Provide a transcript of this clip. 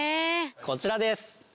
こちらです。